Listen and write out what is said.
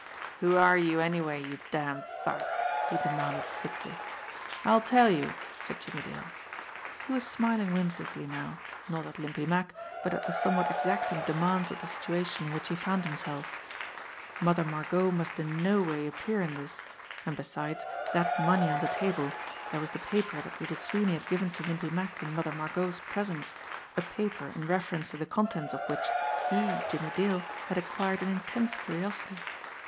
"Who are you, anyway, you damned thug?" he demanded thickly. "I'll tell you," said Jimmie Dale. He was smiling whim sically now not at Limpy Mack, but at the somewhat ex acting demands of the situation in which he found himself. Mother Margot must in no way appear in this ; and, besides that money on the table, there was the paper that Little Sweeney had given to Limpy Mack in Mother Margot's presence a paper, in reference to the contents of which, he, Jimmie Dale, had acquired an intense curiosity.